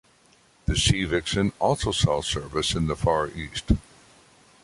The Sea Vixen also saw service in the Far East.